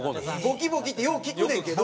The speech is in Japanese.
簿記簿記ってよう聞くねんけど。